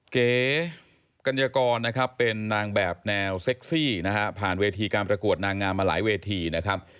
เก๋กัญญากรนะครับเป็นนางแบบแนวเซ็กซี่นะฮะผ่านเวทีการประกวดนางงามมาหลายเวทีนะครับ